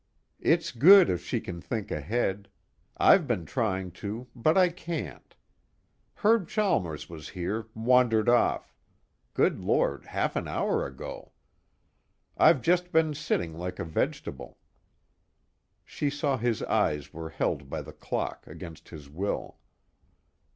"It's good if she can think ahead. I've been trying to, but I can't. Herb Chalmers was here, wandered off good Lord, half an hour ago! I've just been sitting like a vegetable." She saw his eyes were held by the clock, against his will.